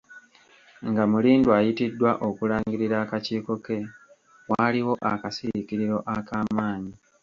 Nga Mulindwa ayitiddwa okulangirira akakiiko ke, waaliwo akasiriikiriro akaamanyi.